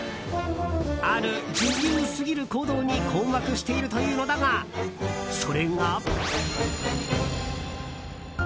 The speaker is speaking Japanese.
ある自由すぎる行動に困惑しているというのだがそれが。